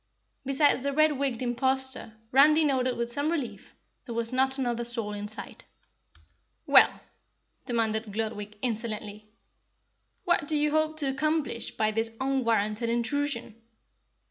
Besides the red wigged imposter Randy noted with some relief, there was not another soul in sight. "Well," demanded Gludwig, insolently, "what do you hope to accomplish by this unwarranted intrusion?"